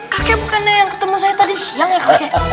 kakek bukannya yang ketemu saya tadi siang ya kak